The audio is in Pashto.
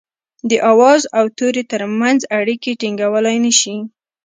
د آواز او توري ترمنځ اړيکي ټيڼګولای نه شي